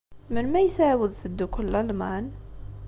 Melmi ay tɛawed teddukkel Lalman?